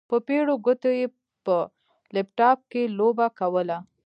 په پېړو ګوتو يې په لپټاپ کې لوبه کوله.